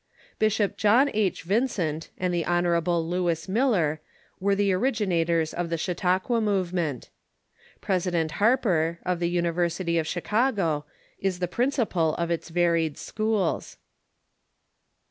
Bishop John H. Vincent and the Hon. Lewis Miller were the originators of the Chau tauqua movement. President Harper, of the University of Chicago, is the principal of its varied schools.